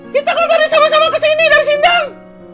kita kan tadi sama sama kesini dari sindang